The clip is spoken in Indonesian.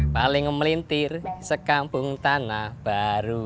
paling melintir sekampung tanah baru